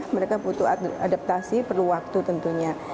mereka butuh adaptasi perlu waktu tentunya